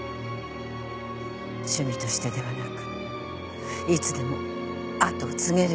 趣味としてではなくいつでも跡を継げるように。